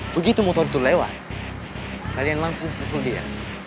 begitu motor itu lewat kalian langsung susun dia